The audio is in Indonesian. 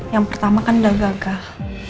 yang pertama kan udah gagah